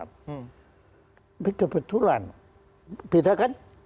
tapi kebetulan beda kan